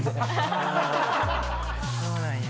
そうなんや。